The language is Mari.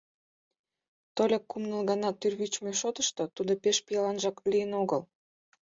Тольык кум-ныл гана тӱрвычмӧ шотышто тудо пеш пиаланжак лийын огыл.